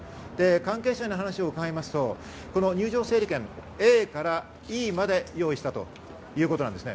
関係者に話を聞くと、入場整理券ＡからＥまで用意したということです。